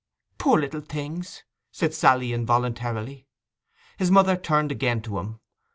'Poor little things!' said Sally involuntarily. His mother turned again to him.